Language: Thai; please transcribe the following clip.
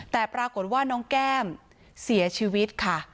แต่ปรากฏว่าน้องแก้มเสียชีวิตค่ะ